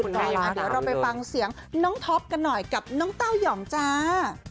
เดี๋ยวเราไปฟังเสียงน้องท็อปกันหน่อยกับน้องเต้ายองจ้า